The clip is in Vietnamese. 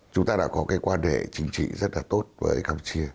chúng ta đã có cái quan hệ chính trị rất là tốt với campuchia